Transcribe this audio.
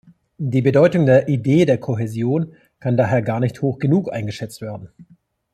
Die Bedeutung der Idee der Kohäsion kann daher gar nicht hoch genug eingeschätzt werden.